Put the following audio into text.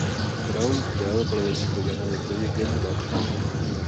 Brawl creado por el equipo llamado Project M Back Room.